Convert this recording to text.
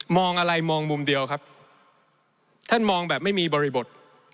อะไรมองมุมเดียวครับท่านมองแบบไม่มีบริบท